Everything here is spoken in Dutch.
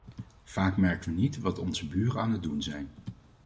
Vaak merken we niet wat onze buren aan het doen zijn.